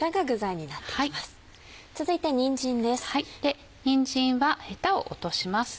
にんじんはヘタを落とします。